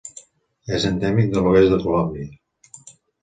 És endèmic de l'oest de Colòmbia.